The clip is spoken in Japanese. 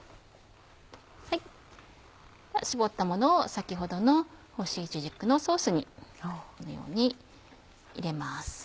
絞ったものを先ほどの干しいちじくのソースにこのように入れます。